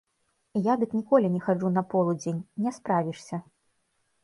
Я дык ніколі не хаджу на полудзень, не справішся.